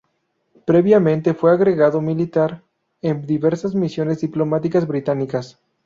Previamente, fue agregado militar en diversas misiones diplomáticas británicas.